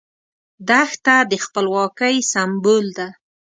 دښته د خپلواکۍ سمبول ده.